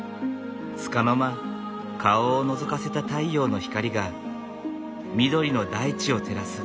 つかの間顔をのぞかせた太陽の光が緑の大地を照らす。